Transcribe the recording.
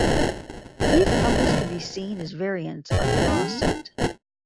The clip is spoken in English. These couples can be seen as variants on Ra-Set.